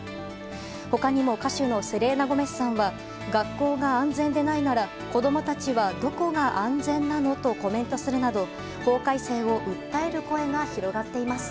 他にも歌手のセレーナ・ゴメスさんは学校が安全でないなら子供たちはどこが安全なのとコメントするなど法改正を訴える声が広がっています。